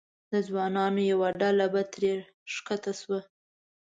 د ځوانانو یوه ډله به ترې ښکته شوه.